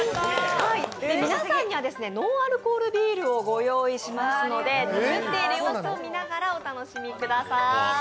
皆さんにはノンアルコールビールをご用意しますので、作っている様子を見ながらお楽しみください。